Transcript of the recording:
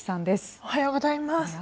おはようございます。